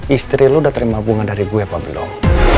istri lu udah terima bunga dari gue apa belum